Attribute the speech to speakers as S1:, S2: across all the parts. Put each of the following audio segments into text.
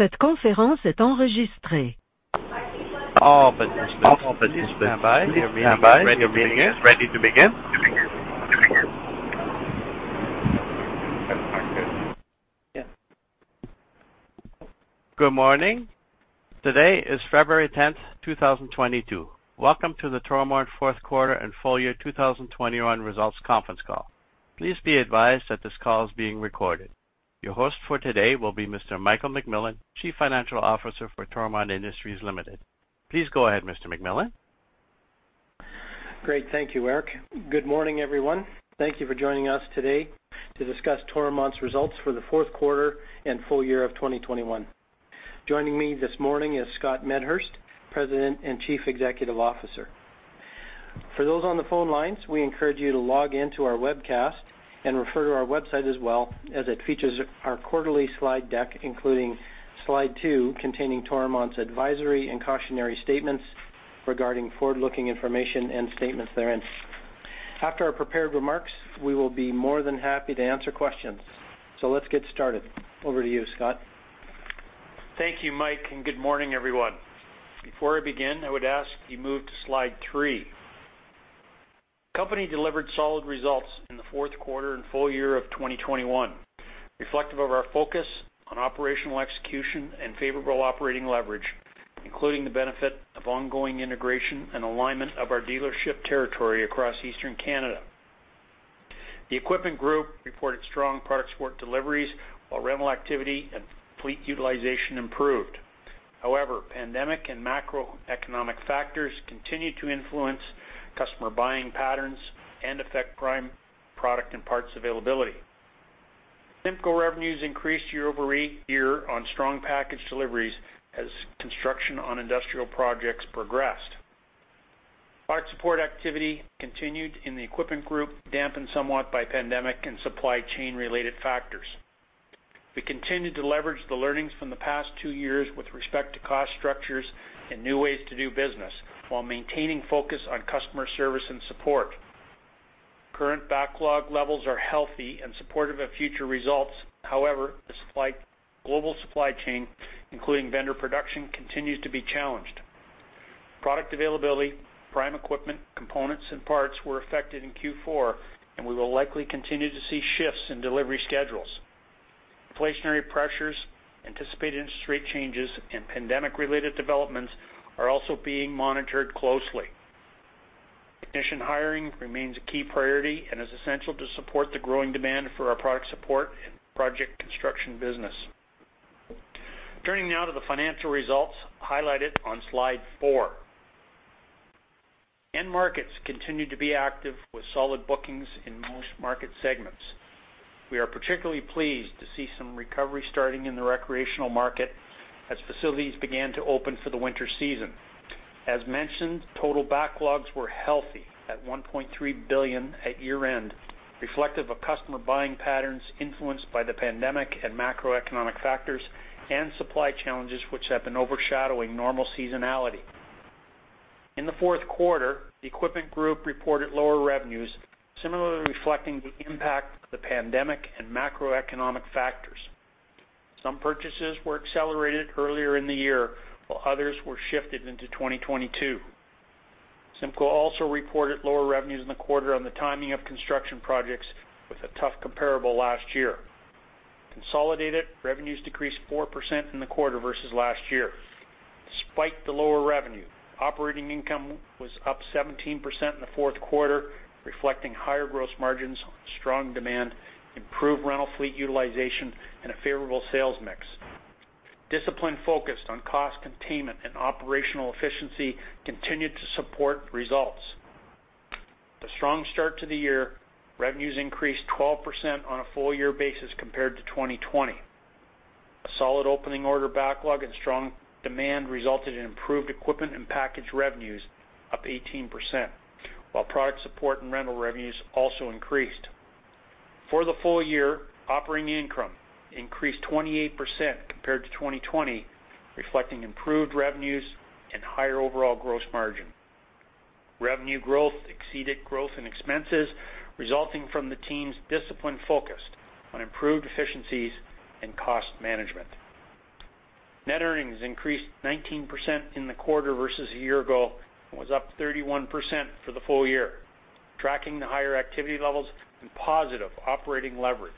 S1: Good morning. Today is February 10, 2022. Welcome to the Toromont fourth quarter and full year 2021 results conference call. Please be advised that this call is being recorded. Your host for today will be Mr. Michael McMillan, Chief Financial Officer for Toromont Industries Ltd. Please go ahead, Mr. McMillan.
S2: Great. Thank you, Eric. Good morning, everyone. Thank you for joining us today to discuss Toromont's results for the fourth quarter and full year of 2021. Joining me this morning is Scott Medhurst, President and Chief Executive Officer. For those on the phone lines, we encourage you to log in to our webcast and refer to our website as well as it features our quarterly slide deck, including slide two containing Toromont's advisory and cautionary statements regarding forward-looking information and statements therein. After our prepared remarks, we will be more than happy to answer questions. Let's get started. Over to you, Scott.
S3: Thank you, Mike, and good morning, everyone. Before I begin, I would ask you move to slide three. Company delivered solid results in the fourth quarter and full year of 2021, reflective of our focus on operational execution and favorable operating leverage, including the benefit of ongoing integration and alignment of our dealership territory across eastern Canada. The Equipment Group reported strong product support deliveries, while rental activity and fleet utilization improved. However, pandemic and macroeconomic factors continue to influence customer buying patterns and affect prime product and parts availability. CIMCO revenues increased year-over-year on strong package deliveries as construction on industrial projects progressed. Parts support activity continued in the Equipment Group, dampened somewhat by pandemic and supply chain related factors. We continued to leverage the learnings from the past two years with respect to cost structures and new ways to do business while maintaining focus on customer service and support. Current backlog levels are healthy and supportive of future results. However, global supply chain, including vendor production, continues to be challenged. Product availability, prime equipment, components and parts were affected in Q4, and we will likely continue to see shifts in delivery schedules. Inflationary pressures, anticipated industry changes and pandemic-related developments are also being monitored closely. Technician hiring remains a key priority and is essential to support the growing demand for our product support and project construction business. Turning now to the financial results highlighted on slide four. End markets continued to be active with solid bookings in most market segments. We are particularly pleased to see some recovery starting in the recreational market as facilities began to open for the winter season. As mentioned, total backlogs were healthy at 1.3 billion at year-end, reflective of customer buying patterns influenced by the pandemic and macroeconomic factors and supply challenges which have been overshadowing normal seasonality. In the fourth quarter, the Equipment Group reported lower revenues, similarly reflecting the impact of the pandemic and macroeconomic factors. Some purchases were accelerated earlier in the year, while others were shifted into 2022. CIMCO also reported lower revenues in the quarter on the timing of construction projects with a tough comparable last year. Consolidated revenues decreased 4% in the quarter versus last year. Despite the lower revenue, operating income was up 17% in the fourth quarter, reflecting higher gross margins on strong demand, improved rental fleet utilization and a favorable sales mix. Discipline focused on cost containment and operational efficiency continued to support results. The strong start to the year, revenues increased 12% on a full year basis compared to 2020. A solid opening order backlog and strong demand resulted in improved equipment and package revenues up 18%, while product support and rental revenues also increased. For the full year, operating income increased 28% compared to 2020, reflecting improved revenues and higher overall gross margin. Revenue growth exceeded growth in expenses resulting from the team's discipline focused on improved efficiencies and cost management. Net earnings increased 19% in the quarter versus a year ago and was up 31% for the full year, tracking the higher activity levels and positive operating leverage.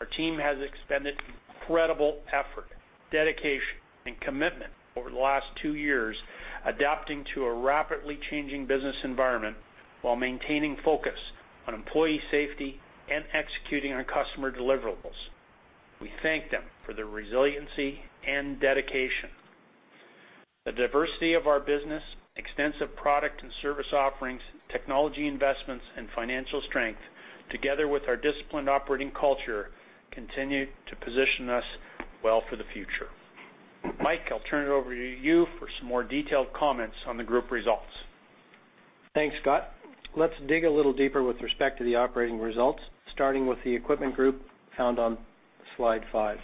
S3: Our team has expended incredible effort, dedication and commitment over the last two years, adapting to a rapidly changing business environment while maintaining focus on employee safety and executing on customer deliverables. We thank them for their resiliency and dedication. The diversity of our business, extensive product and service offerings, technology investments and financial strength together with our disciplined operating culture, continue to position us well for the future. Mike, I'll turn it over to you for some more detailed comments on the group results.
S2: Thanks, Scott. Let's dig a little deeper with respect to the operating results, starting with the Equipment Group found on slide five.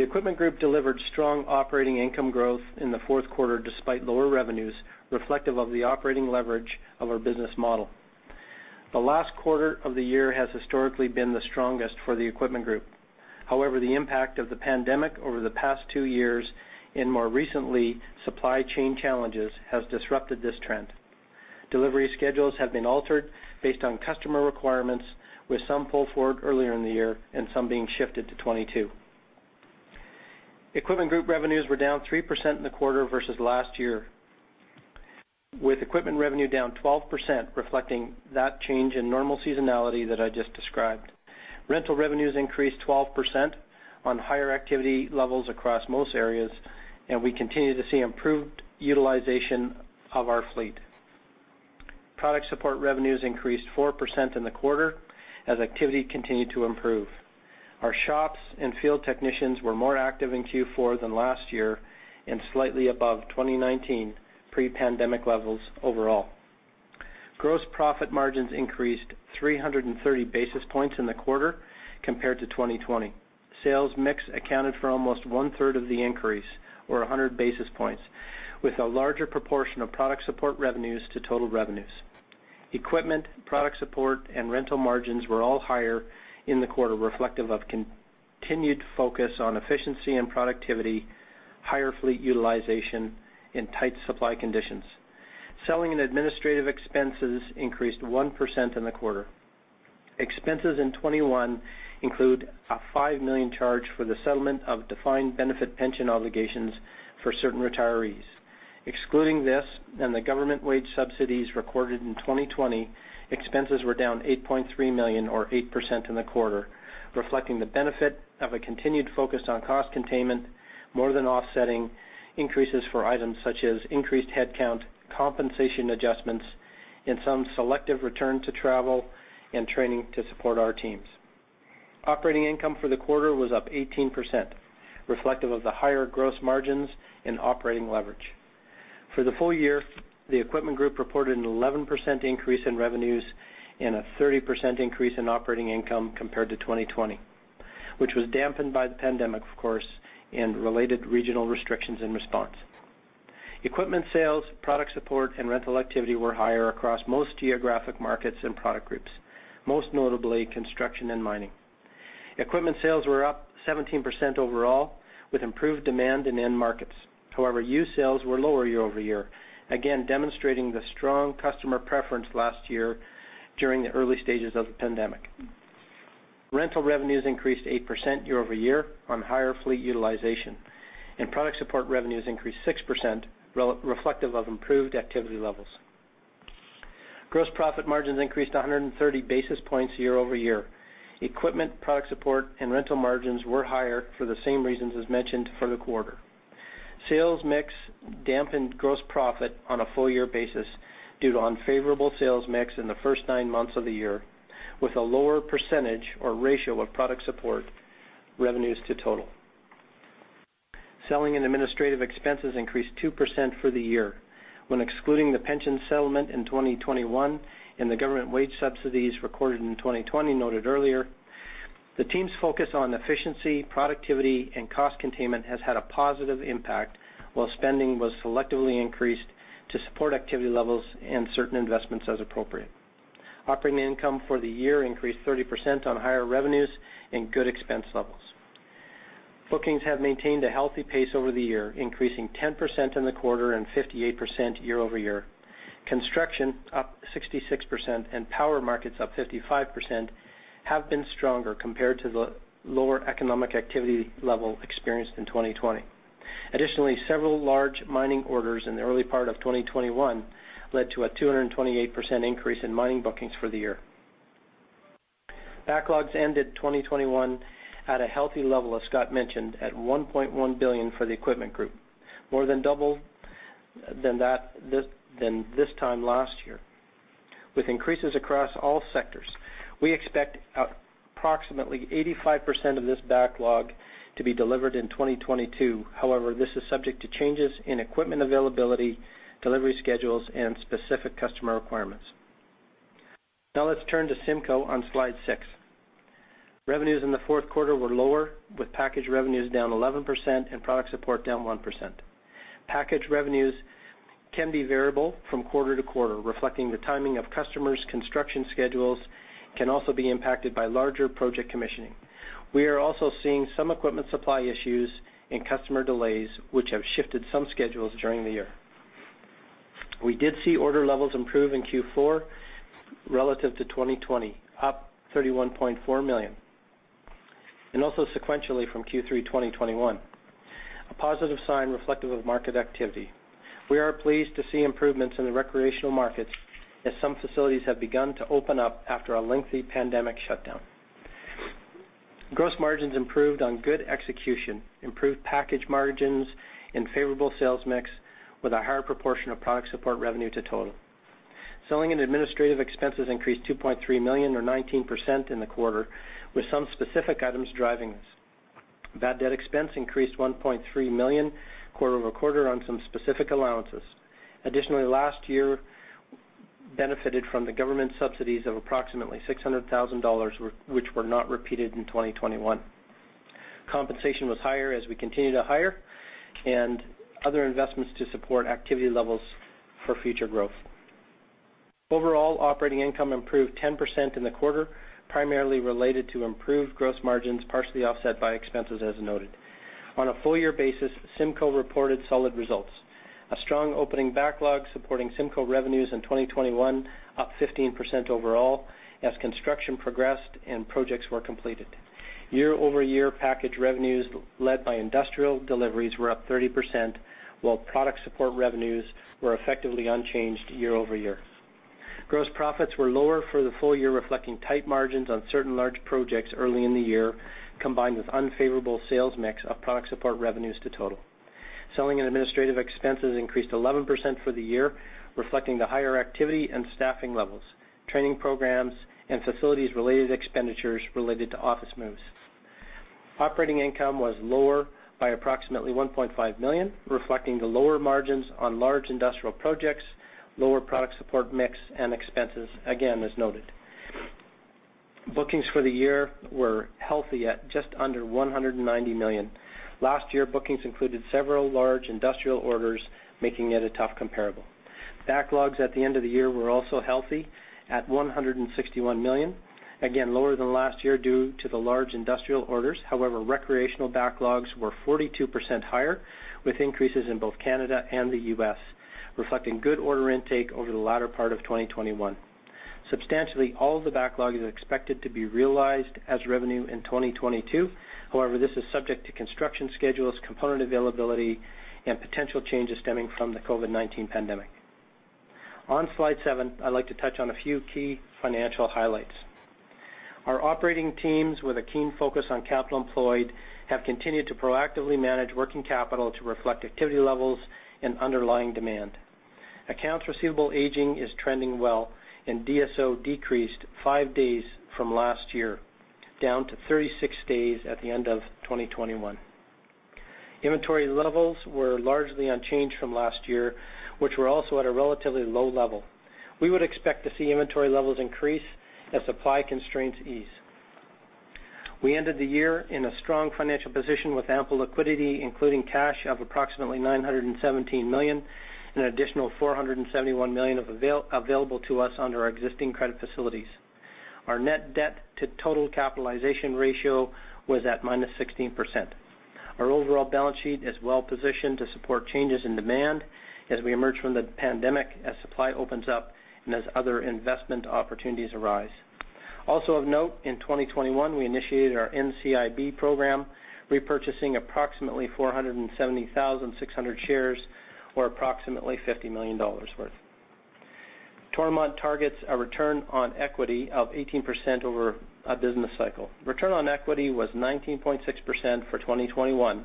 S2: The Equipment Group delivered strong operating income growth in the fourth quarter despite lower revenues reflective of the operating leverage of our business model. The last quarter of the year has historically been the strongest for the Equipment Group. However, the impact of the pandemic over the past two years, and more recently, supply chain challenges, has disrupted this trend. Delivery schedules have been altered based on customer requirements, with some pulled forward earlier in the year and some being shifted to 2022. Equipment Group revenues were down 3% in the quarter versus last year, with equipment revenue down 12%, reflecting that change in normal seasonality that I just described. Rental revenues increased 12% on higher activity levels across most areas, and we continue to see improved utilization of our fleet. Product support revenues increased 4% in the quarter as activity continued to improve. Our shops and field technicians were more active in Q4 than last year, and slightly above 2019 pre-pandemic levels overall. Gross profit margins increased 330 basis points in the quarter compared to 2020. Sales mix accounted for almost 1/3 of the increase, or 100 basis points, with a larger proportion of product support revenues to total revenues. Equipment, product support, and rental margins were all higher in the quarter, reflective of continued focus on efficiency and productivity, higher fleet utilization, and tight supply conditions. Selling and administrative expenses increased 1% in the quarter. Expenses in 2021 include a 5 million charge for the settlement of defined benefit pension obligations for certain retirees. Excluding this and the government wage subsidies recorded in 2020, expenses were down 8.3 million or 8% in the quarter, reflecting the benefit of a continued focus on cost containment, more than offsetting increases for items such as increased headcount, compensation adjustments, and some selective return to travel and training to support our teams. Operating income for the quarter was up 18%, reflective of the higher gross margins and operating leverage. For the full year, the Equipment Group reported an 11% increase in revenues and a 30% increase in operating income compared to 2020, which was dampened by the pandemic, of course, and related regional restrictions in response. Equipment sales, product support, and rental activity were higher across most geographic markets and product groups, most notably construction and mining. Equipment sales were up 17% overall, with improved demand in end markets. However, used sales were lower year-over-year, again demonstrating the strong customer preference last year during the early stages of the pandemic. Rental revenues increased 8% year-over-year on higher fleet utilization, and product support revenues increased 6%, reflective of improved activity levels. Gross profit margins increased 130 basis points year-over-year. Equipment, product support, and rental margins were higher for the same reasons as mentioned for the quarter. Sales mix dampened gross profit on a full year basis due to unfavorable sales mix in the first nine months of the year, with a lower percentage or ratio of product support revenues to total. Selling and administrative expenses increased 2% for the year when excluding the pension settlement in 2021 and the government wage subsidies recorded in 2020 noted earlier. The team's focus on efficiency, productivity, and cost containment has had a positive impact while spending was selectively increased to support activity levels and certain investments as appropriate. Operating income for the year increased 30% on higher revenues and good expense levels. Bookings have maintained a healthy pace over the year, increasing 10% in the quarter and 58% year over year. Construction up 66% and power markets up 55% have been stronger compared to the lower economic activity level experienced in 2020. Additionally, several large mining orders in the early part of 2021 led to a 228% increase in mining bookings for the year. Backlogs ended 2021 at a healthy level, as Scott mentioned, at 1.1 billion for the Equipment Group, more than double than that than this time last year, with increases across all sectors. We expect approximately 85% of this backlog to be delivered in 2022. However, this is subject to changes in equipment availability, delivery schedules, and specific customer requirements. Now let's turn to CIMCO on slide six. Revenues in the fourth quarter were lower, with package revenues down 11% and product support down 1%. Package revenues can be variable from quarter to quarter, reflecting the timing of customers' construction schedules, can also be impacted by larger project commissioning. We are also seeing some equipment supply issues and customer delays which have shifted some schedules during the year. We did see order levels improve in Q4 relative to 2020, up 31.4 million, and also sequentially from Q3 2021, a positive sign reflective of market activity. We are pleased to see improvements in the recreational markets as some facilities have begun to open up after a lengthy pandemic shutdown. Gross margins improved on good execution, improved package margins, and favorable sales mix with a higher proportion of product support revenue to total. Selling and administrative expenses increased 2.3 million or 19% in the quarter, with some specific items driving this. Bad debt expense increased 1.3 million quarter-over-quarter on some specific allowances. Additionally, last year benefited from the government subsidies of approximately 600,000 dollars which were not repeated in 2021. Compensation was higher as we continued to hire and other investments to support activity levels for future growth. Overall operating income improved 10% in the quarter, primarily related to improved gross margins, partially offset by expenses, as noted. On a full year basis, CIMCO reported solid results. A strong opening backlog supporting CIMCO revenues in 2021, up 15% overall as construction progressed and projects were completed. Year-over-year package revenues led by industrial deliveries were up 30%, while product support revenues were effectively unchanged year-over-year. Gross profits were lower for the full year, reflecting tight margins on certain large projects early in the year, combined with unfavorable sales mix of product support revenues to total. Selling and administrative expenses increased 11% for the year, reflecting the higher activity and staffing levels, training programs, and facilities related expenditures related to office moves. Operating income was lower by approximately 1.5 million, reflecting the lower margins on large industrial projects, lower product support mix and expenses, again, as noted. Bookings for the year were healthy at just under 190 million. Last year, bookings included several large industrial orders, making it a tough comparable. Backlogs at the end of the year were also healthy at 161 million. Again, lower than last year due to the large industrial orders. However, recreational backlogs were 42% higher, with increases in both Canada and the U.S., reflecting good order intake over the latter part of 2021. Substantially all of the backlog is expected to be realized as revenue in 2022. However, this is subject to construction schedules, component availability, and potential changes stemming from the COVID-19 pandemic. On slide seven, I'd like to touch on a few key financial highlights. Our operating teams with a keen focus on capital employed have continued to proactively manage working capital to reflect activity levels and underlying demand. Accounts receivable aging is trending well, and DSO decreased five days from last year, down to 36 days at the end of 2021. Inventory levels were largely unchanged from last year, which were also at a relatively low level. We would expect to see inventory levels increase as supply constraints ease. We ended the year in a strong financial position with ample liquidity, including cash of approximately 917 million, an additional 471 million available to us under our existing credit facilities. Our net-debt-to-total capitalization ratio was at -16%. Our overall balance sheet is well-positioned to support changes in demand as we emerge from the pandemic, as supply opens up and as other investment opportunities arise. Also of note, in 2021, we initiated our NCIB program, repurchasing approximately 470,600 shares or approximately 50 million dollars worth. Toromont targets a return on equity of 18% over a business cycle. Return on equity was 19.6% for 2021,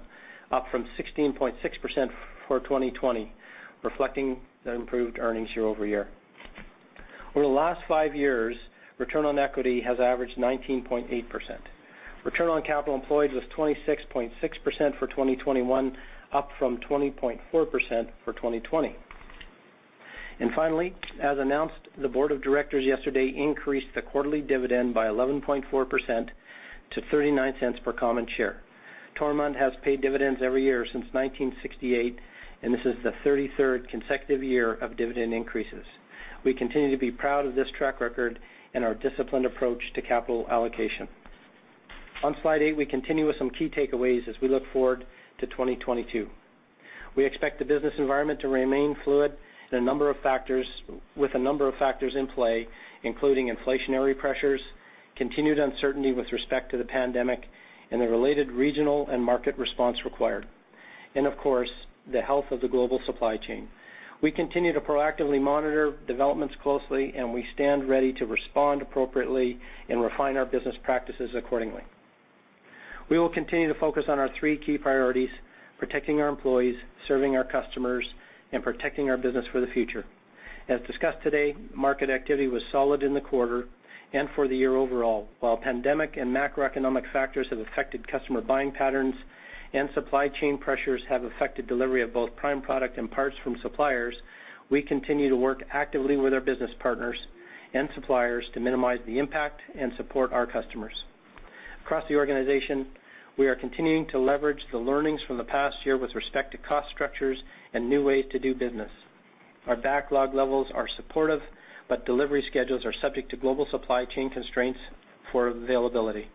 S2: up from 16.6% for 2020, reflecting the improved earnings year-over-year. Over the last five years, return on equity has averaged 19.8%. Return on capital employed was 26.6% for 2021, up from 20.4% for 2020. Finally, as announced, the Board of Directors yesterday increased the quarterly dividend by 11.4% to 0.39 per common share. Toromont has paid dividends every year since 1968, and this is the 33rd consecutive year of dividend increases. We continue to be proud of this track record and our disciplined approach to capital allocation. On slide eight, we continue with some key takeaways as we look forward to 2022. We expect the business environment to remain fluid with a number of factors in play, including inflationary pressures, continued uncertainty with respect to the pandemic and the related regional and market response required, and of course, the health of the global supply chain. We continue to proactively monitor developments closely, and we stand ready to respond appropriately and refine our business practices accordingly. We will continue to focus on our three key priorities, protecting our employees, serving our customers, and protecting our business for the future. As discussed today, market activity was solid in the quarter and for the year overall. While pandemic and macroeconomic factors have affected customer buying patterns and supply chain pressures have affected delivery of both prime product and parts from suppliers, we continue to work actively with our business partners and suppliers to minimize the impact and support our customers. Across the organization, we are continuing to leverage the learnings from the past year with respect to cost structures and new ways to do business. Our backlog levels are supportive, but delivery schedules are subject to global supply chain constraints for availability,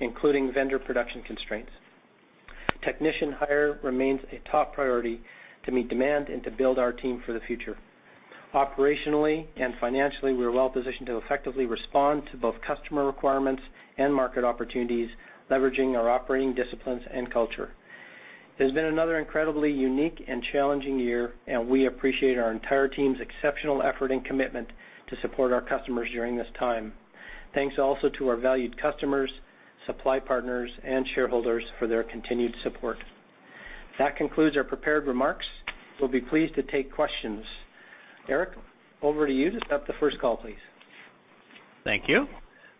S2: including vendor production constraints. Technician hire remains a top priority to meet demand and to build our team for the future. Operationally and financially, we are well-positioned to effectively respond to both customer requirements and market opportunities, leveraging our operating disciplines and culture. It has been another incredibly unique and challenging year, and we appreciate our entire team's exceptional effort and commitment to support our customers during this time. Thanks also to our valued customers, supply partners, and shareholders for their continued support. That concludes our prepared remarks. We'll be pleased to take questions. Eric, over to you to set up the first call, please.
S1: Thank you.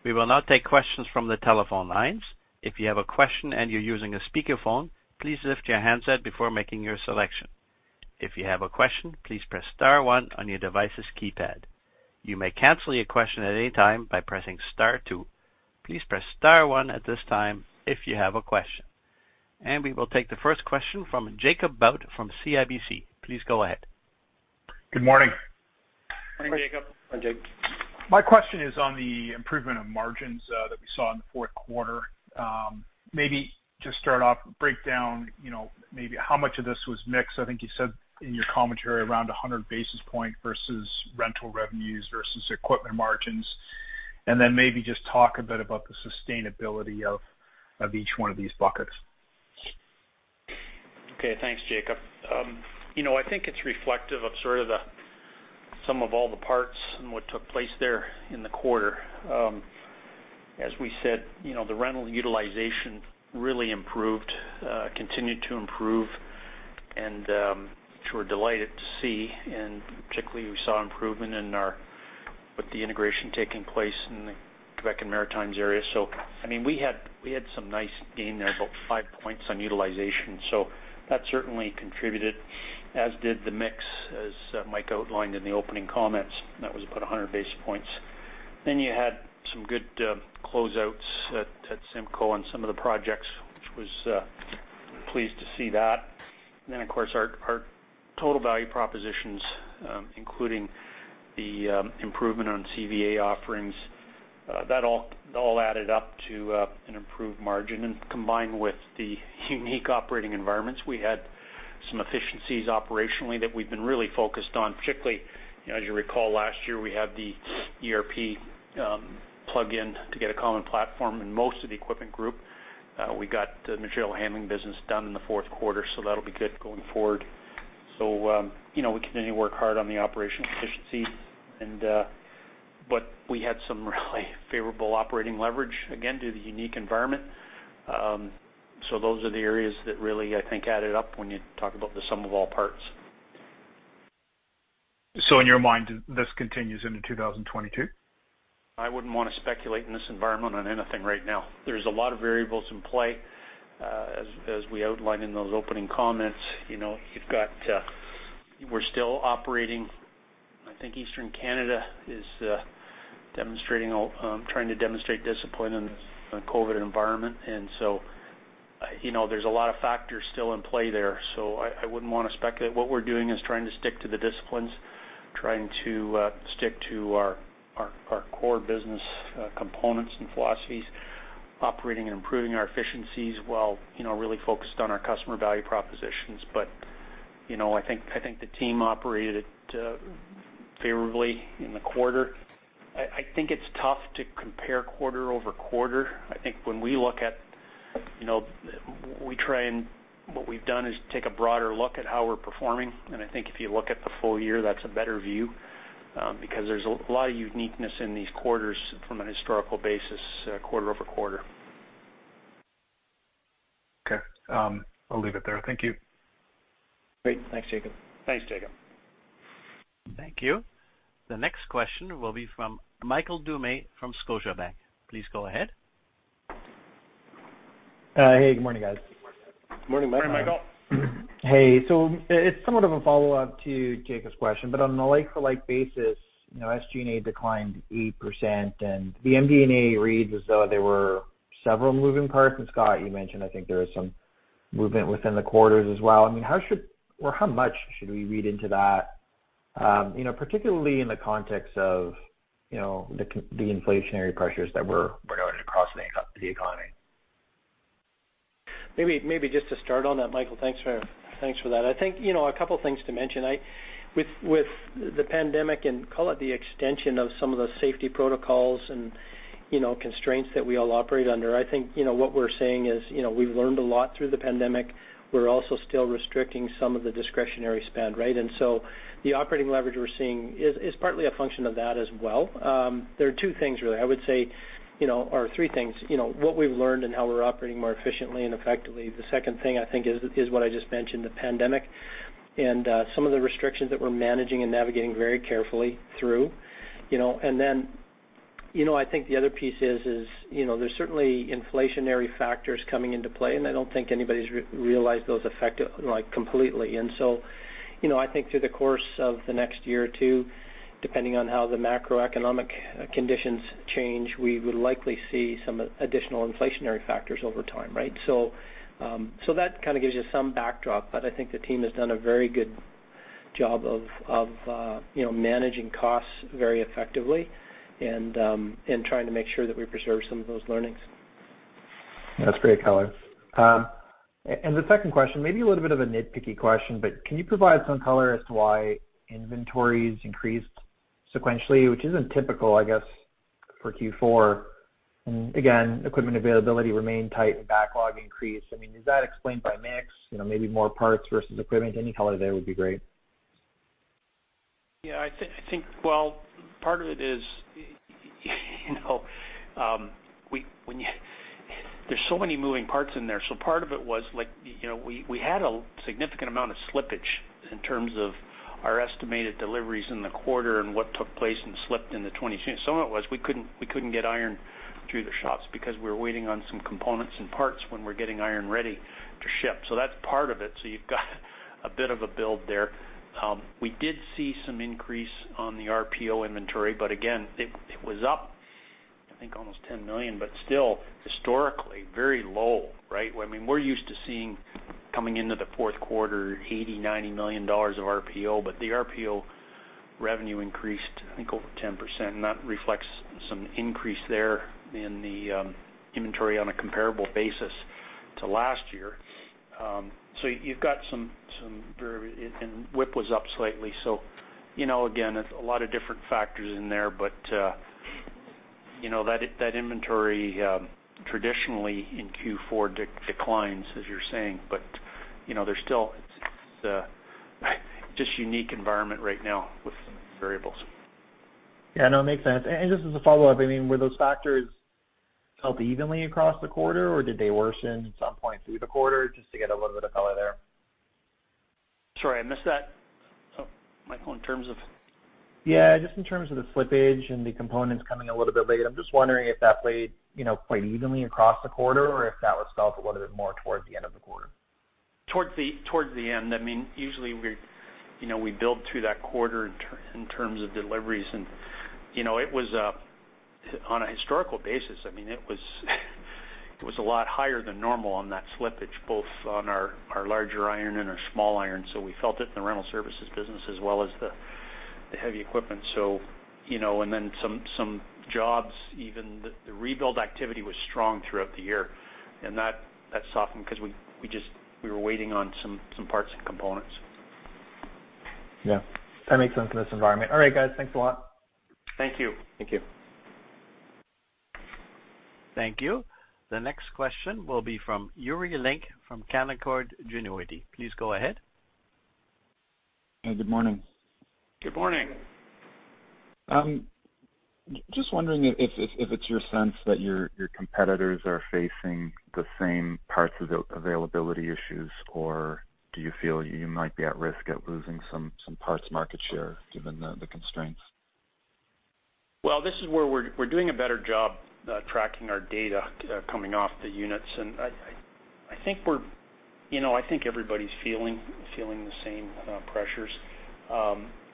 S1: We will now take questions from the telephone lines. If you have a question and you're using a speakerphone, please lift your handset before making your selection. If you have a question, please press star one on your device's keypad. You may cancel your question at any time by pressing star two. Please press star one at this time if you have a question. We will take the first question from Jacob Bout from CIBC. Please go ahead.
S4: Good morning.
S3: Morning, Jacob.
S2: Morning, Jake.
S4: My question is on the improvement of margins that we saw in the fourth quarter. Maybe just start off, break down, you know, maybe how much of this was mix. I think you said in your commentary around 100 basis points versus rental revenues versus equipment margins. Maybe just talk a bit about the sustainability of each one of these buckets.
S3: Okay, thanks, Jacob. You know, I think it's reflective of sort of the sum of all the parts and what took place there in the quarter. As we said, you know, the rental utilization really improved, continued to improve. Which we're delighted to see, and particularly we saw improvement with the integration taking place in the Quebec and Maritimes area. I mean, we had some nice gain there, about 5 points on utilization. That certainly contributed, as did the mix, as Mike outlined in the opening comments. That was about 100 basis points. You had some good close outs at CIMCO on some of the projects, which was pleased to see that. Of course, our total value propositions, including the improvement on CVA offerings, that all added up to an improved margin. Combined with the unique operating environments, we had some efficiencies operationally that we've been really focused on, particularly, you know, as you recall, last year, we had the ERP plug in to get a common platform in most of the Equipment Group. We got the Material Handling business done in the fourth quarter, so that'll be good going forward. You know, we continue to work hard on the operational efficiency and, but we had some really favorable operating leverage, again, due to the unique environment. Those are the areas that really, I think, added up when you talk about the sum of all parts.
S4: In your mind, this continues into 2022?
S3: I wouldn't wanna speculate in this environment on anything right now. There's a lot of variables in play, as we outlined in those opening comments. You know, you've got, we're still operating. I think Eastern Canada is demonstrating, trying to demonstrate discipline in a COVID environment. You know, there's a lot of factors still in play there. I wouldn't wanna speculate. What we're doing is trying to stick to the disciplines, trying to stick to our core business components and philosophies, operating and improving our efficiencies while, you know, really focused on our customer value propositions. You know, I think the team operated favorably in the quarter. I think it's tough to compare quarter-over-quarter. I think when we look at, you know, we try and what we've done is take a broader look at how we're performing. I think if you look at the full year, that's a better view, because there's a lot of uniqueness in these quarters from a historical basis, quarter-over-quarter.
S4: Okay. I'll leave it there. Thank you.
S2: Great. Thanks, Jacob. Thanks, Jacob.
S1: Thank you. The next question will be from Michael Doumet from Scotiabank. Please go ahead.
S5: Hey, good morning, guys.
S2: Morning, Michael.
S3: Hey, Michael.
S5: Hey. It's somewhat of a follow-up to Jacob's question, but on a Like-for-Like basis, you know, SG&A declined 8%, and the MD&A reads as though there were several moving parts. Scott, you mentioned, I think there was some movement within the quarters as well. I mean, how should or how much should we read into that, you know, particularly in the context of, you know, the inflationary pressures that we're noting across the economy?
S2: Maybe just to start on that, Michael. Thanks for that. I think, you know, a couple things to mention. With the pandemic and call it the extension of some of the safety protocols and, you know, constraints that we all operate under, I think, you know, what we're saying is, you know, we've learned a lot through the pandemic. We're also still restricting some of the discretionary spend, right? The operating leverage we're seeing is partly a function of that as well. There are two things, really, I would say, you know, or three things. You know, what we've learned and how we're operating more efficiently and effectively. The second thing I think is what I just mentioned, the pandemic and some of the restrictions that we're managing and navigating very carefully through, you know. You know, I think the other piece is, you know, there's certainly inflationary factors coming into play, and I don't think anybody's realized those effects, like, completely. You know, I think through the course of the next year or two, depending on how the macroeconomic conditions change, we would likely see some additional inflationary factors over time, right? That kinda gives you some backdrop, but I think the team has done a very good job of, you know, managing costs very effectively and trying to make sure that we preserve some of those learnings.
S5: That's great color. The second question, maybe a little bit of a nitpicky question, but can you provide some color as to why inventories increased sequentially, which isn't typical, I guess, for Q4? Again, equipment availability remained tight and backlog increased. I mean, is that explained by mix, you know, maybe more parts versus equipment? Any color there would be great.
S2: Yeah. I think, well, part of it is, you know, there's so many moving parts in there. Part of it was like, you know, we had a significant amount of slippage in terms of our estimated deliveries in the quarter and what took place and slipped into 2022. Some of it was we couldn't get iron through the shops because we're waiting on some components and parts when we're getting iron ready to ship. That's part of it. You've got a bit of a build there. We did see some increase on the RPO inventory, but again, it was up, I think, almost 10 million, but still historically very low, right? I mean, we're used to seeing coming into the fourth quarter 80 million-90 million dollars of RPO, but the RPO revenue increased, I think, over 10%, and that reflects some increase there in the inventory on a comparable basis to last year. You've got some, and WIP was up slightly. You know, again, it's a lot of different factors in there. You know, that inventory traditionally in Q4 declines, as you're saying. You know, there's still just a unique environment right now with variables.
S5: Yeah, no, it makes sense. Just as a follow-up, I mean, were those factors felt evenly across the quarter, or did they worsen some point through the quarter? Just to get a little bit of color there.
S2: Sorry, I missed that. Oh, Michael, in terms of?
S5: Yeah, just in terms of the slippage and the components coming a little bit late. I'm just wondering if that played, you know, quite evenly across the quarter or if that was felt a little bit more towards the end of the quarter.
S2: Towards the end. I mean, usually we're, you know, we build through that quarter in terms of deliveries. You know, it was on a historical basis, I mean, it was a lot higher than normal on that slippage, both on our larger iron and our small iron. We felt it in the rental services business as well as the heavy equipment. You know, and then some jobs, even the rebuild activity was strong throughout the year, and that softened 'cause we just were waiting on some parts and components.
S5: Yeah, that makes sense in this environment. All right, guys. Thanks a lot.
S3: Thank you.
S2: Thank you.
S1: Thank you. The next question will be from Yuri Lynk from Canaccord Genuity. Please go ahead.
S6: Hey, good morning.
S3: Good morning.
S6: Just wondering if it's your sense that your competitors are facing the same parts availability issues, or do you feel you might be at risk of losing some parts market share given the constraints?
S3: Well, this is where we're doing a better job tracking our data coming off the units. I think we're. You know, I think everybody's feeling the same pressures.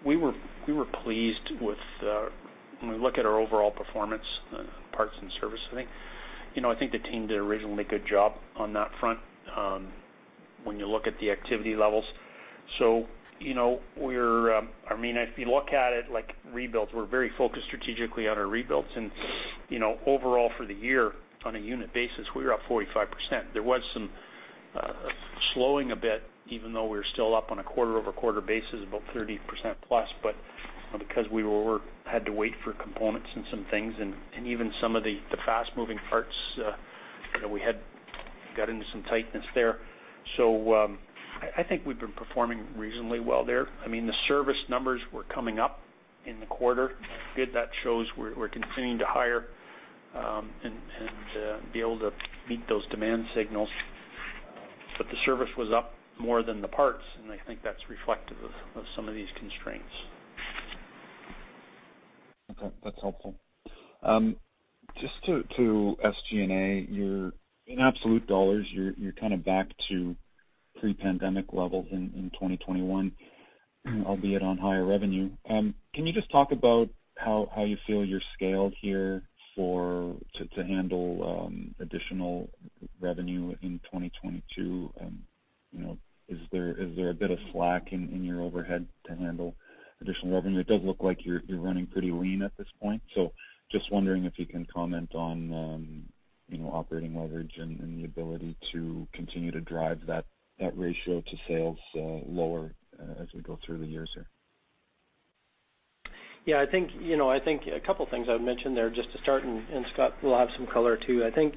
S3: We were pleased with when we look at our overall performance, parts and service, I think. You know, I think the team did a reasonably good job on that front when you look at the activity levels. You know, I mean, if you look at it like rebuilds, we're very focused strategically on our rebuilds. You know, overall for the year on a unit basis, we were up 45%. There was some slowing a bit even though we were still up on a quarter-over-quarter basis about 30% plus. Because we had to wait for components and some things and even some of the fast moving parts, you know, we had got into some tightness there. I think we've been performing reasonably well there. I mean, the service numbers were coming up in the quarter. I'm glad that shows we're continuing to hire and be able to meet those demand signals. The service was up more than the parts, and I think that's reflective of some of these constraints.
S6: Okay, that's helpful. Just to SG&A, you're in absolute dollars kind of back to pre-pandemic levels in 2021, albeit on higher revenue. Can you just talk about how you feel you're scaled here to handle additional revenue in 2022? You know, is there a bit of slack in your overhead to handle additional revenue? It does look like you're running pretty lean at this point. Just wondering if you can comment on you know, operating leverage and the ability to continue to drive that ratio to sales lower as we go through the years here.
S2: Yeah, I think, you know, I think a couple things I would mention there just to start, and Scott will have some color too. I think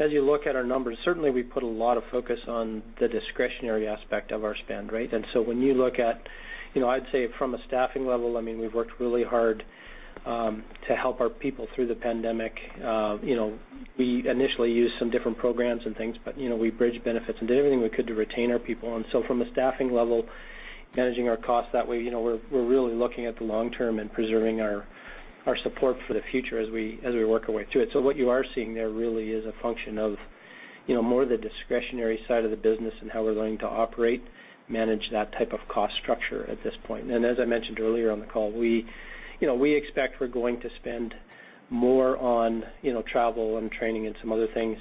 S2: as you look at our numbers, certainly we put a lot of focus on the discretionary aspect of our spend, right? When you look at, you know, I'd say from a staffing level, I mean, we've worked really hard to help our people through the pandemic. You know, we initially used some different programs and things, but, you know, we bridged benefits and did everything we could to retain our people. From a staffing level, managing our costs that way, you know, we're really looking at the long term and preserving our support for the future as we work our way through it. What you are seeing there really is a function of, you know, more the discretionary side of the business and how we're going to operate, manage that type of cost structure at this point. As I mentioned earlier on the call, we, you know, we expect we're going to spend more on, you know, travel and training and some other things,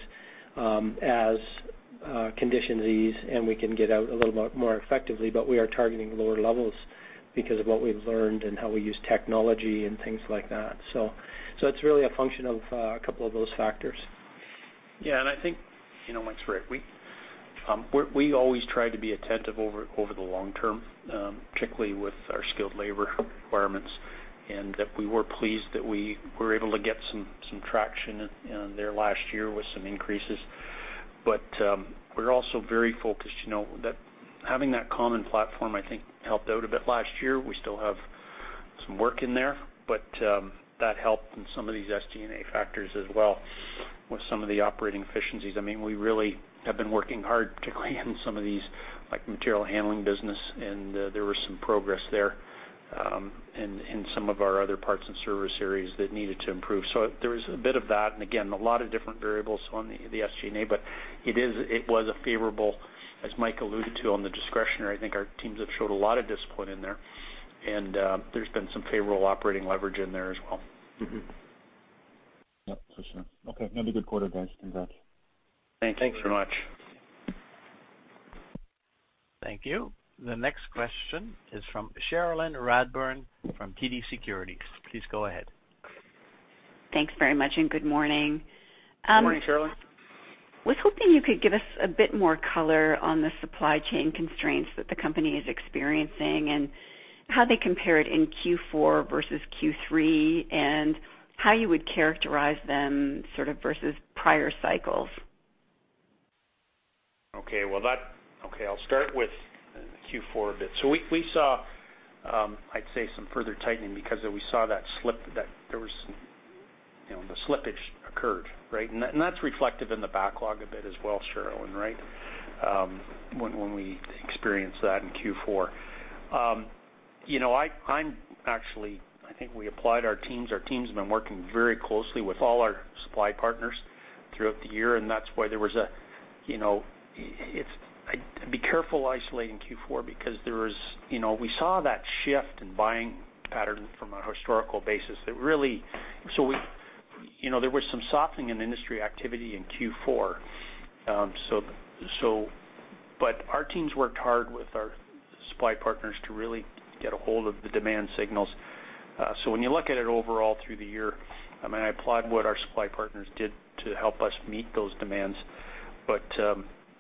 S2: as conditions ease and we can get out a little bit more effectively. We are targeting lower levels because of what we've learned and how we use technology and things like that. It's really a function of a couple of those factors.
S3: Yeah, I think, you know, Mike's right. We always try to be attentive over the long term, particularly with our skilled labor requirements, and we were pleased that we were able to get some traction in there last year with some increases. We're also very focused, you know, that having that common platform, I think helped out a bit last year. We still have some work in there, but that helped in some of these SG&A factors as well with some of the operating efficiencies. I mean, we really have been working hard, particularly in some of these like material handling business, and there was some progress there. In some of our other parts and service areas that needed to improve. There was a bit of that, and again, a lot of different variables on the SG&A. But it was a favorable, as Mike alluded to on the discretionary. I think our teams have showed a lot of discipline in there. There's been some favorable operating leverage in there as well.
S6: Yep. For sure. Okay. Another good quarter, guys. Congrats.
S3: Thank you.
S2: Thanks very much.
S1: Thank you. The next question is from Cherilyn Radbourne from TD Securities. Please go ahead.
S7: Thanks very much, and good morning.
S3: Good morning, Cherilyn.
S7: Was hoping you could give us a bit more color on the supply chain constraints that the company is experiencing and how they compare it in Q4 versus Q3 and how you would characterize them sort of versus prior cycles?
S3: Okay, I'll start with Q4 a bit. We saw, I'd say, some further tightening because we saw that slippage occurred, right? That's reflective in the backlog a bit as well, Cherilyn, right? When we experience that in Q4. You know, I'm actually thinking we applied our teams. Our team's been working very closely with all our supply partners throughout the year, and that's why there was, you know, I'd be careful isolating Q4 because there was, you know, we saw that shift in buying pattern from a historical basis that really led to some softening in industry activity in Q4. Our teams worked hard with our supply partners to really get a hold of the demand signals. When you look at it overall through the year, I mean, I applaud what our supply partners did to help us meet those demands.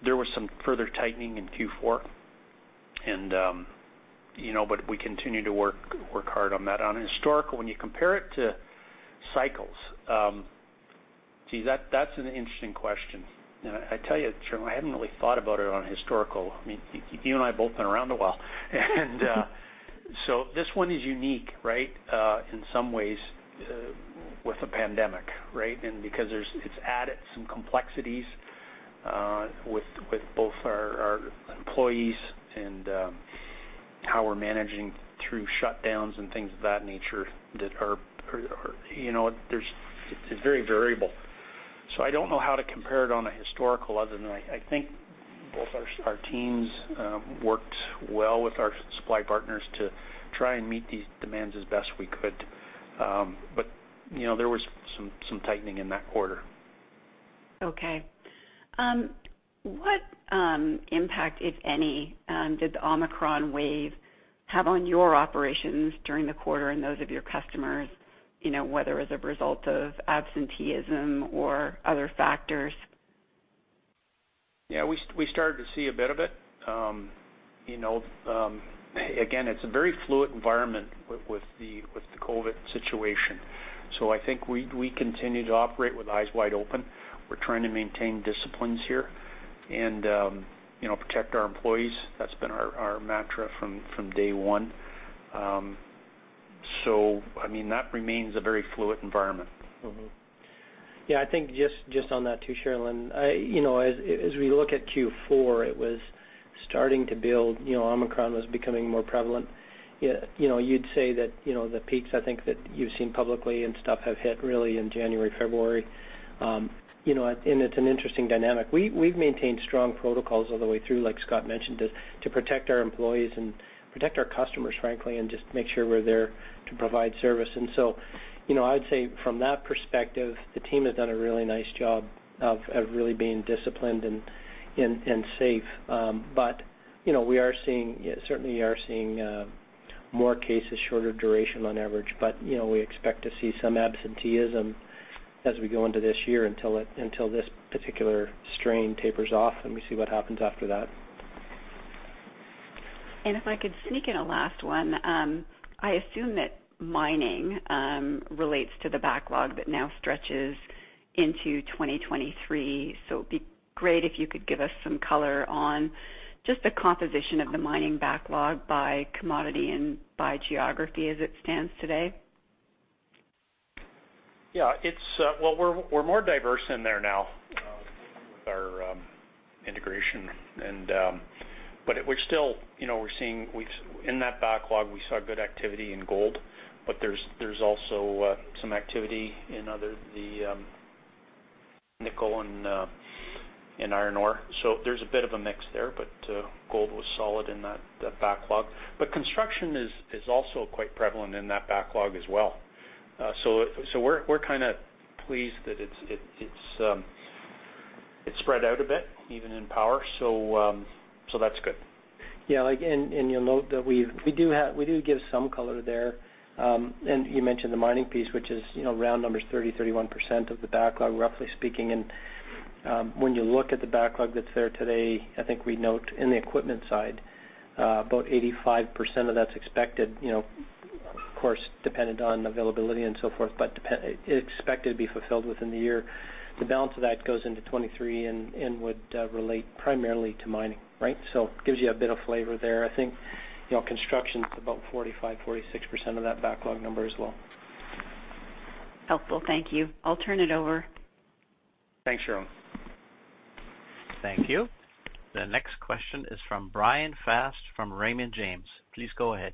S3: There was some further tightening in Q4. We continue to work hard on that. On historical, when you compare it to cycles, that's an interesting question. I tell you, Cherilyn, I hadn't really thought about it on historical. I mean, you and I both been around a while. This one is unique, right, in some ways, with a pandemic, right? Because it's added some complexities with both our employees and how we're managing through shutdowns and things of that nature that are very variable. I don't know how to compare it on a historical other than I think both our teams worked well with our supply partners to try and meet these demands as best we could. You know, there was some tightening in that quarter.
S7: Okay. What impact, if any, did the Omicron wave have on your operations during the quarter and those of your customers, you know, whether as a result of absenteeism or other factors?
S3: Yeah, we started to see a bit of it. You know, again, it's a very fluid environment with the COVID situation. I think we continue to operate with eyes wide open. We're trying to maintain disciplines here and, you know, protect our employees. That's been our mantra from day one. I mean, that remains a very fluid environment.
S2: Yeah, I think just on that too, Cherilyn, you know, as we look at Q4, it was starting to build, you know, Omicron was becoming more prevalent. You know, you'd say that, you know, the peaks I think that you've seen publicly and stuff have hit really in January, February. It's an interesting dynamic. We've maintained strong protocols all the way through, like Scott mentioned, to protect our employees and protect our customers, frankly, and just make sure we're there to provide service. You know, I would say from that perspective, the team has done a really nice job of really being disciplined and safe. But, you know, we are seeing certainly more cases, shorter duration on average. You know, we expect to see some absenteeism as we go into this year until this particular strain tapers off, and we see what happens after that.
S7: If I could sneak in a last one. I assume that mining relates to the backlog that now stretches into 2023. It'd be great if you could give us some color on just the composition of the mining backlog by commodity and by geography as it stands today.
S3: Yeah. It's well, we're more diverse in there now with our integration, but we're still, you know, in that backlog. We saw good activity in gold, but there's also some activity in other, the nickel and iron ore. There's a bit of a mix there, but gold was solid in that backlog. Construction is also quite prevalent in that backlog as well. We're kinda pleased that it's spread out a bit even in power, so that's good.
S2: You'll note that we do give some color there. You mentioned the mining piece, which is, you know, round numbers 30%, 31% of the backlog, roughly speaking. When you look at the backlog that's there today, I think we note in the equipment side, about 85% of that's expected, you know, of course, dependent on availability and so forth, but expected to be fulfilled within the year. The balance of that goes into 2023 and would relate primarily to mining, right? It gives you a bit of flavor there. I think, you know, construction's about 45%, 46% of that backlog number as well.
S7: Helpful. Thank you. I'll turn it over.
S3: Thanks, Cherilyn.
S1: Thank you. The next question is from Bryan Fast from Raymond James. Please go ahead.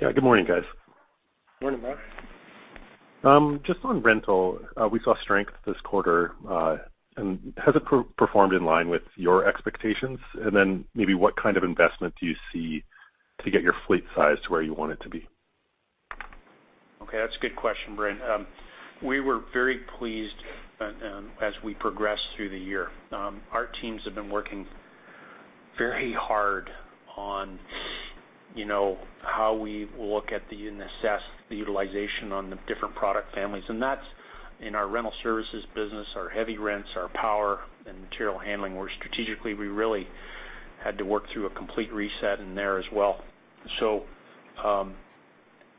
S8: Yeah. Good morning, guys.
S3: Morning, Bryan.
S8: Just on rental, we saw strength this quarter, and has it performed in line with your expectations? Maybe what kind of investment do you see to get your fleet size to where you want it to be?
S3: Okay. That's a good question, Bryan. We were very pleased as we progressed through the year. Our teams have been working very hard on, you know, how we look at and assess the utilization on the different product families. That's in our rental services business, our heavy rents, our power and material handling, where strategically we really had to work through a complete reset in there as well.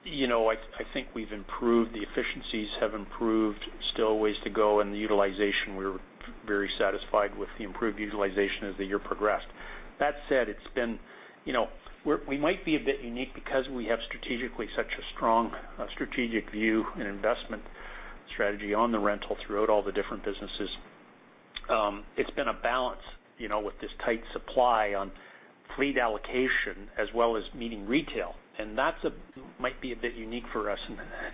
S3: You know, I think we've improved, the efficiencies have improved. Still ways to go. In the utilization, we're very satisfied with the improved utilization as the year progressed. That said, it's been, you know. We might be a bit unique because we have strategically such a strong strategic view and investment strategy on the rental throughout all the different businesses. It's been a balance, you know, with this tight supply on fleet allocation as well as meeting retail. That might be a bit unique for us,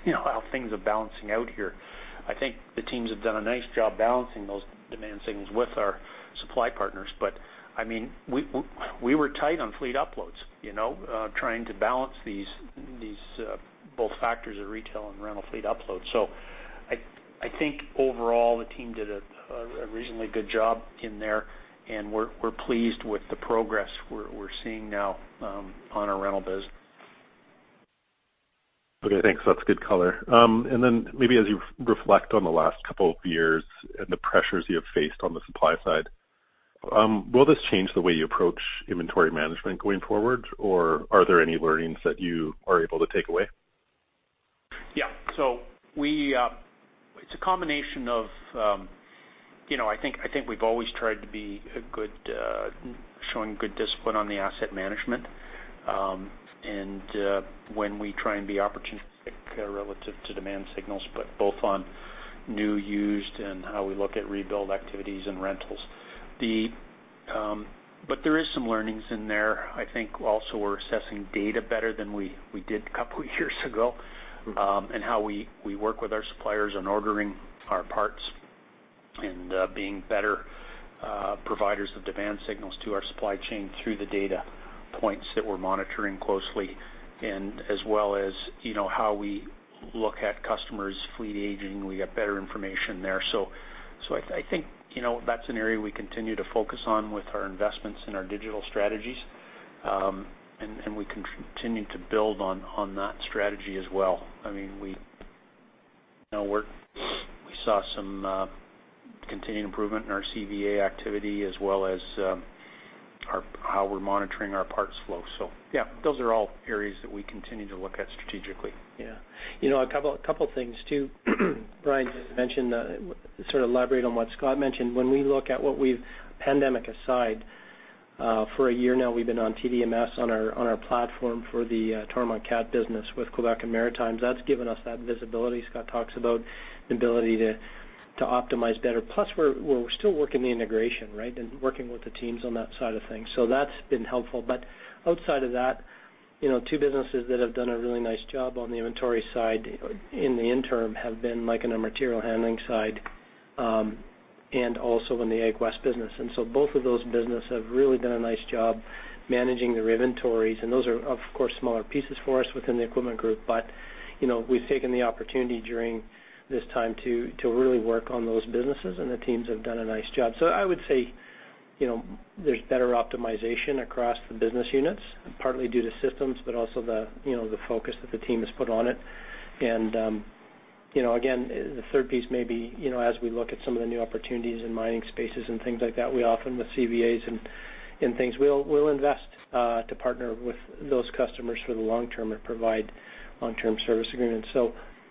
S3: you know, how things are balancing out here. I think the teams have done a nice job balancing those demand signals with our supply partners. I mean, we were tight on fleet uploads, you know, trying to balance these both factors of retail and rental fleet uploads. I think overall, the team did a reasonably good job in there, and we're pleased with the progress we're seeing now on our rental biz.
S8: Okay, thanks. That's good color. Maybe as you reflect on the last couple of years and the pressures you have faced on the supply side, will this change the way you approach inventory management going forward, or are there any learnings that you are able to take away?
S3: It's a combination of, you know, I think we've always tried to be a good showing good discipline on the asset management, and when we try and be opportunistic relative to demand signals, but both on new, used, and how we look at rebuild activities and rentals. There is some learnings in there. I think also we're assessing data better than we did a couple years ago, and how we work with our suppliers on ordering our parts and being better providers of demand signals to our supply chain through the data points that we're monitoring closely. As well as, you know, how we look at customers' fleet aging, we got better information there. I think you know that's an area we continue to focus on with our investments in our digital strategies, and we continue to build on that strategy as well. I mean, we you know saw some continued improvement in our CVA activity as well as how we're monitoring our parts flow. Yeah, those are all areas that we continue to look at strategically.
S2: Yeah. You know, a couple things too. Bryan just mentioned, sort of elaborate on what Scott mentioned. When we look at what we've pandemic aside for a year now, we've been on TDMS on our platform for the Toromont Cat business with Quebec and Maritimes. That's given us that visibility Scott talks about, the ability to optimize better. Plus, we're still working the integration, right, and working with the teams on that side of things. That's been helpful. Outside of that, you know, two businesses that have done a really nice job on the inventory side in the interim have been like in our material handling side and also in the AgWest business. Both of those business have really done a nice job managing their inventories, and those are, of course, smaller pieces for us within the Equipment Group. You know, we've taken the opportunity during this time to really work on those businesses, and the teams have done a nice job. I would say, you know, there's better optimization across the business units, partly due to systems, but also the, you know, the focus that the team has put on it. You know, again, the third piece may be, you know, as we look at some of the new opportunities in mining spaces and things like that, we often with CVAs and things, we'll invest to partner with those customers for the long term and provide long-term service agreements.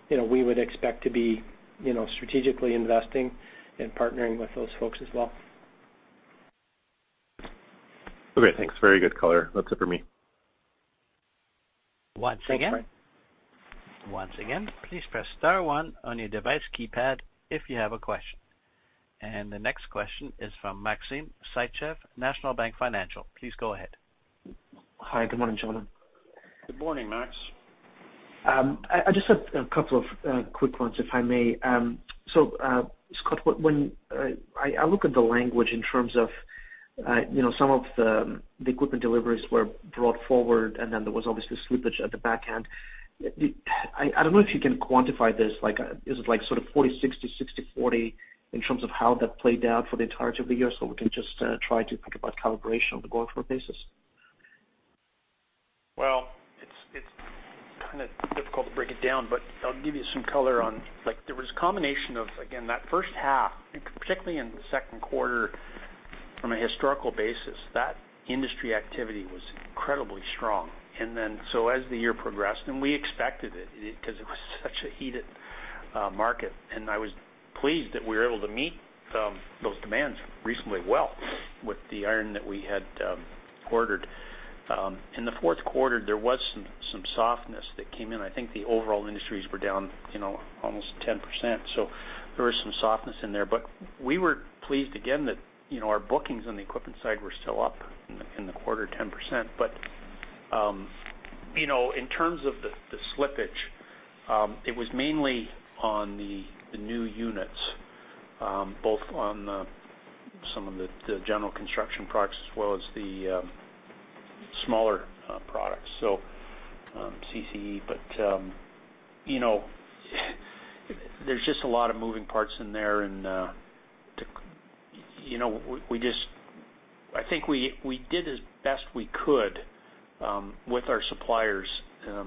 S2: you know, we would expect to be, you know, strategically investing and partnering with those folks as well.
S8: Okay, thanks. Very good color. That's it for me.
S1: Once again-
S2: Thanks, Bryan.
S1: Once again, please press star one on your device keypad if you have a question. The next question is from Maxim Sytchev, National Bank Financial. Please go ahead.
S9: Hi. Good morning, gentlemen.
S3: Good morning, Max.
S9: I just have a couple of quick ones, if I may. Scott, when I look at the language in terms of you know, some of the equipment deliveries were brought forward, and then there was obviously slippage at the back end. I don't know if you can quantify this. Like, is it like sort of 40/60, 60/40 in terms of how that played out for the entirety of the year, so we can just try to think about calibration on a going-forward basis?
S3: Well, it's kind of difficult to break it down, but I'll give you some color on like there was a combination of, again, that first half, and particularly in the second quarter from a historical basis, that industry activity was incredibly strong. As the year progressed, and we expected it because it was such a heated market, and I was pleased that we were able to meet those demands reasonably well with the iron that we had ordered. In the fourth quarter, there was some softness that came in. I think the overall industries were down, you know, almost 10%. There was some softness in there. We were pleased again that, you know, our bookings on the equipment side were still up in the quarter 10%. You know, in terms of the slippage, it was mainly on the new units, both on some of the general construction products as well as the smaller products, so CCE. You know, there's just a lot of moving parts in there, and to you know, we just I think we did as best we could with our suppliers,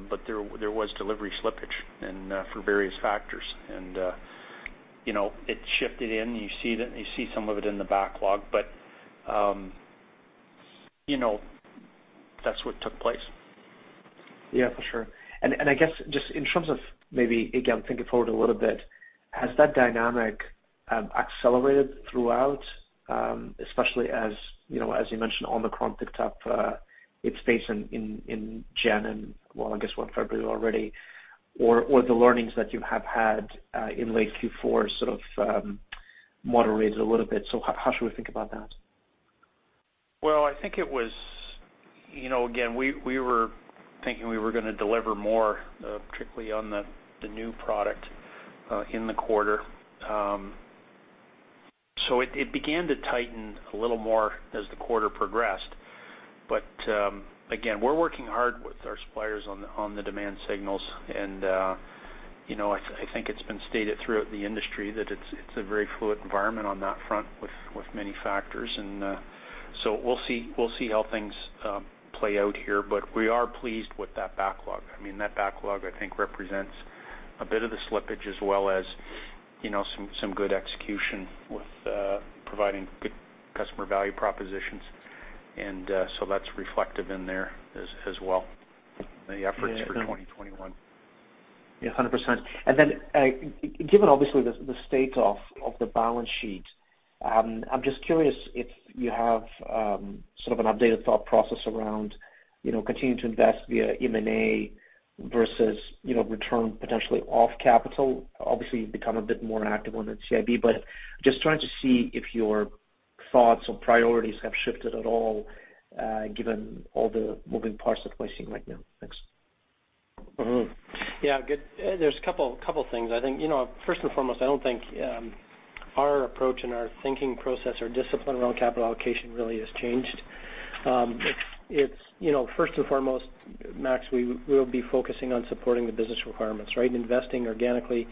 S3: but there was delivery slippage and for various factors. You know, it shifted in. You see some of it in the backlog. You know, that's what took place.
S9: Yeah, for sure. I guess just in terms of maybe, again, thinking forward a little bit, has that dynamic accelerated throughout, especially as, you know, as you mentioned, Omicron picked up its pace in January and, well, I guess, February already? Or the learnings that you have had in late Q4 sort of moderated a little bit. How should we think about that?
S3: Well, I think it was you know, again, we were thinking we were gonna deliver more, particularly on the new product, in the quarter. So it began to tighten a little more as the quarter progressed. Again, we're working hard with our suppliers on the demand signals. You know, I think it's been stated throughout the industry that it's a very fluid environment on that front with many factors. We'll see how things play out here. We are pleased with that backlog. I mean, that backlog, I think, represents a bit of the slippage as well as you know, some good execution with providing good customer value propositions. That's reflective in there as well, the efforts for 2021.
S9: Yeah, 100%. Given obviously the state of the balance sheet, I'm just curious if you have sort of an updated thought process around, you know, continuing to invest via M&A versus, you know, return potentially off capital. Obviously, you've become a bit more active on the NCIB, but just trying to see if your thoughts or priorities have shifted at all, given all the moving parts that we're seeing right now. Thanks.
S2: Mm-hmm. Yeah, good. There's a couple things. I think, you know, first and foremost, I don't think our approach and our thinking process or discipline around capital allocation really has changed. It's, you know, first and foremost, Max, we'll be focusing on supporting the business requirements, right? Investing organically,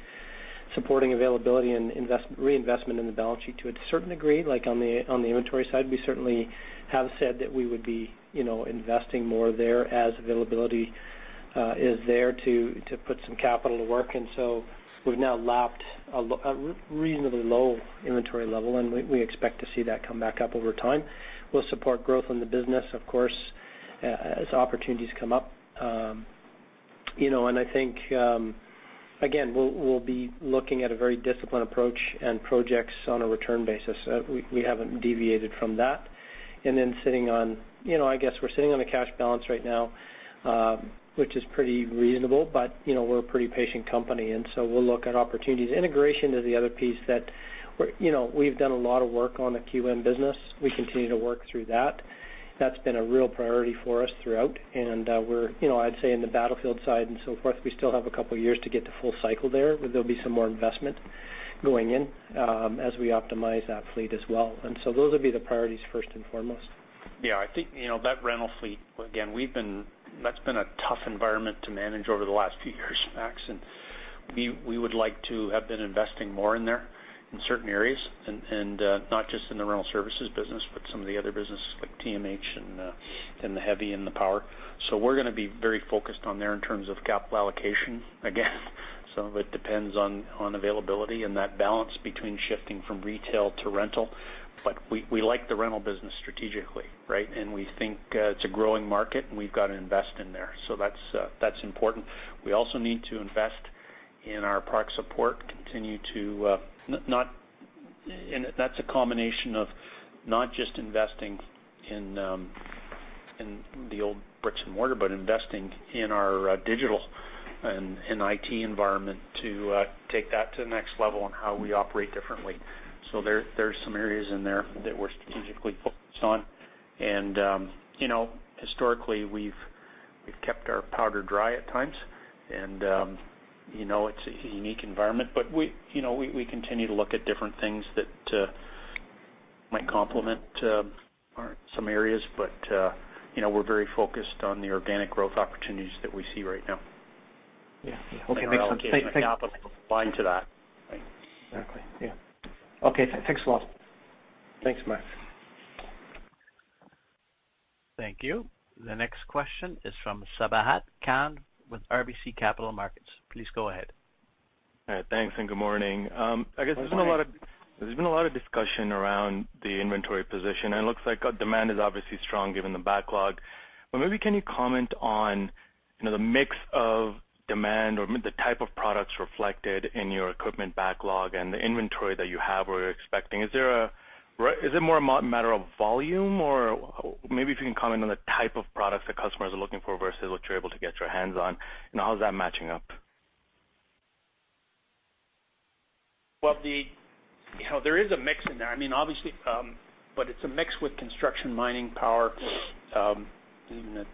S2: supporting availability and reinvestment in the balance sheet to a certain degree, like on the inventory side. We certainly have said that we would be, you know, investing more there as availability is there to put some capital to work. We've now lapped a reasonably low inventory level, and we expect to see that come back up over time. We'll support growth in the business, of course, as opportunities come up. You know, I think again we'll be looking at a very disciplined approach and projects on a return basis. We haven't deviated from that. Sitting on, you know, I guess we're sitting on a cash balance right now, which is pretty reasonable. You know, we're a pretty patient company, and so we'll look at opportunities. Integration is the other piece that we're, you know, we've done a lot of work on the QM business. We continue to work through that. That's been a real priority for us throughout. We're, you know, I'd say in the Battlefield side and so forth, we still have a couple years to get to full cycle there, where there'll be some more investment going in, as we optimize that fleet as well. Those will be the priorities first and foremost.
S3: Yeah. I think, you know, that rental fleet, again, we've been that's been a tough environment to manage over the last few years, Max, and we would like to have been investing more in there in certain areas and not just in the rental services business, but some of the other businesses like TMH and the heavy and the power. We're gonna be very focused on there in terms of capital allocation again. Some of it depends on availability and that balance between shifting from retail to rental. We like the rental business strategically, right? We think it's a growing market, and we've got to invest in there. That's important. We also need to invest in our product support, continue to not... That's a combination of not just investing in the old bricks and mortar, but investing in our digital and IT environment to take that to the next level on how we operate differently. There's some areas in there that we're strategically focused on. You know, historically, we've kept our powder dry at times. You know, it's a unique environment. We, you know, continue to look at different things that might complement our some areas. You know, we're very focused on the organic growth opportunities that we see right now.
S9: Yeah. Okay. Thanks.
S3: Our allocation of capital will align to that.
S9: Right. Exactly, yeah. Okay, thanks a lot.
S2: Thanks, Max.
S1: Thank you. The next question is from Sabahat Khan with RBC Capital Markets. Please go ahead.
S10: Thanks, and good morning. I guess there's been a lot of
S2: Good morning.
S10: There's been a lot of discussion around the inventory position, and it looks like demand is obviously strong given the backlog. Maybe can you comment on, you know, the mix of demand or the type of products reflected in your equipment backlog and the inventory that you have or are expecting. Is it more a matter of volume? Or maybe if you can comment on the type of products that customers are looking for versus what you're able to get your hands on, and how's that matching up?
S3: Well, you know, there is a mix in there. I mean, obviously, but it's a mix with construction, mining, power, even at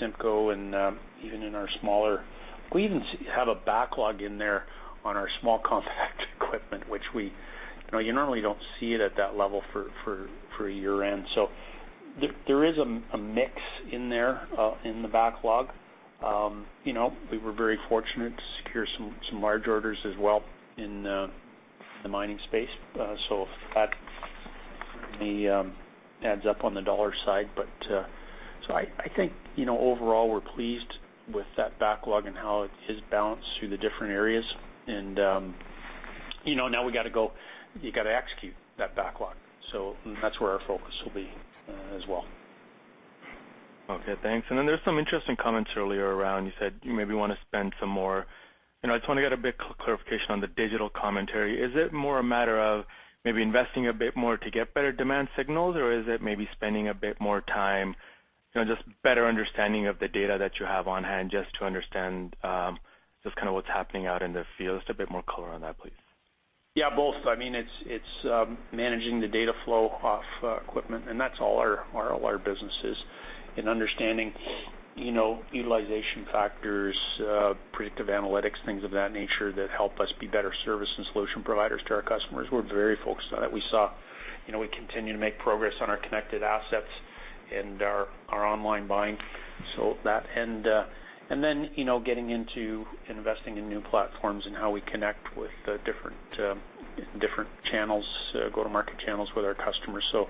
S3: CIMCO and even in our smaller. We even have a backlog in there on our small compact equipment, which you know, you normally don't see it at that level for year-end. There is a mix in there in the backlog. You know, we were very fortunate to secure some large orders as well in the mining space. That certainly adds up on the dollar side. I think, you know, overall, we're pleased with that backlog and how it is balanced through the different areas. You know, now we gotta go. You gotta execute that backlog. That's where our focus will be, as well.
S10: Okay, thanks. There's some interesting comments earlier around, you said you maybe wanna spend some more. You know, I just wanna get a bit clarification on the digital commentary. Is it more a matter of maybe investing a bit more to get better demand signals, or is it maybe spending a bit more time, you know, just better understanding of the data that you have on hand just to understand, just kinda what's happening out in the field? Just a bit more color on that, please.
S3: Yeah, both. I mean, it's managing the data flow off equipment, and that's all our businesses in understanding utilization factors, predictive analytics, things of that nature that help us be better service and solution providers to our customers. We're very focused on it. We saw, you know, we continue to make progress on our connected assets and our online buying, so that. And then, you know, getting into investing in new platforms and how we connect with different channels, go-to-market channels with our customers. So,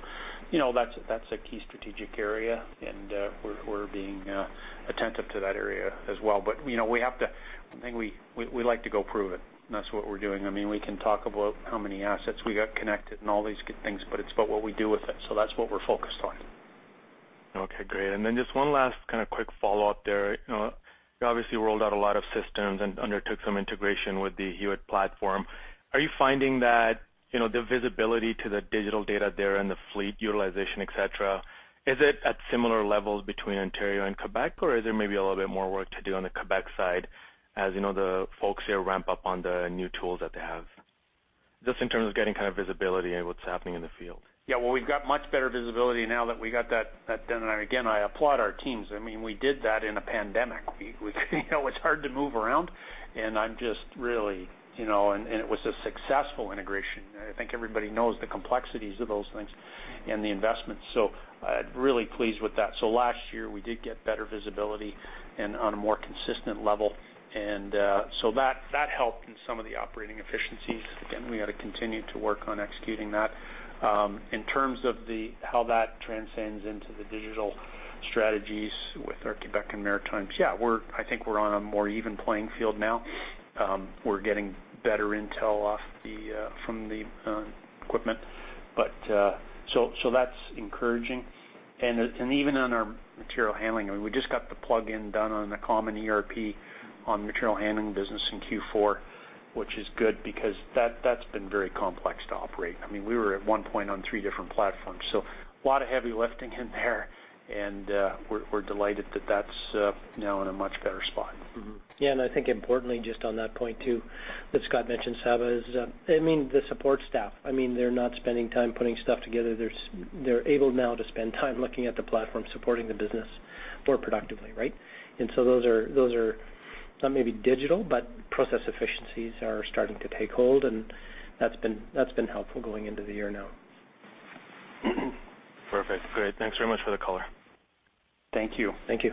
S3: you know, that's a key strategic area, and we're being attentive to that area as well. You know, we have to. I think we like to go prove it, and that's what we're doing. I mean, we can talk about how many assets we got connected and all these good things, but it's about what we do with it. That's what we're focused on.
S10: Okay, great. Just one last kinda quick follow-up there. You know, you obviously rolled out a lot of systems and undertook some integration with the Hewitt platform. Are you finding that, you know, the visibility to the digital data there and the fleet utilization, et cetera, is it at similar levels between Ontario and Quebec, or is there maybe a little bit more work to do on the Quebec side as, you know, the folks here ramp up on the new tools that they have, just in terms of getting kind of visibility and what's happening in the field?
S3: Yeah. Well, we've got much better visibility now that we got that done. I applaud our teams. I mean, we did that in a pandemic. We you know, it's hard to move around, and I'm just really you know, it was a successful integration. I think everybody knows the complexities of those things and the investments. Really pleased with that. Last year, we did get better visibility and on a more consistent level. That helped in some of the operating efficiencies. Again, we gotta continue to work on executing that. In terms of how that transcends into the digital strategies with our Quebec and Maritimes, yeah, we're. I think we're on a more even playing field now. We're getting better intel from the equipment. That's encouraging. Even on our material handling, I mean, we just got the plug-in done on the common ERP on material handling business in Q4, which is good because that's been very complex to operate. I mean, we were at one point on three different platforms, so a lot of heavy lifting in there. We're delighted that that's now in a much better spot. Mm-hmm.
S2: Yeah. I think importantly, just on that point too, that Scott mentioned, Sab, is, I mean, the support staff. I mean, they're not spending time putting stuff together. They're able now to spend time looking at the platform, supporting the business more productively, right? Those are not maybe digital, but process efficiencies are starting to take hold, and that's been helpful going into the year now.
S10: Perfect. Great. Thanks very much for the color.
S3: Thank you.
S2: Thank you.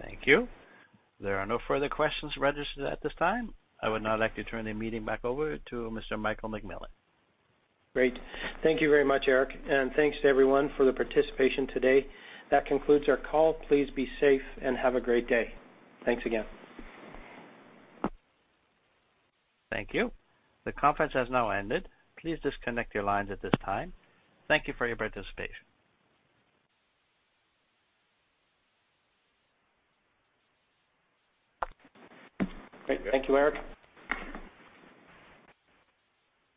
S1: Thank you. There are no further questions registered at this time. I would now like to turn the meeting back over to Mr. Michael McMillan.
S2: Great. Thank you very much, Eric, and thanks to everyone for the participation today. That concludes our call. Please be safe and have a great day. Thanks again.
S1: Thank you. The conference has now ended. Please disconnect your lines at this time. Thank you for your participation.
S2: Great. Thank you, Eric.